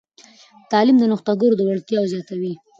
تعلیم د نوښتګرو وړتیاوې زیاتوي.